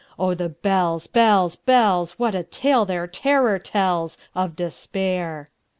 Oh, the bells, bells, bells! What a tale their terror tellsOf Despair!